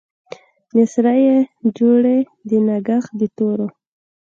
مسرۍ يې جوړې د نګهت د تورو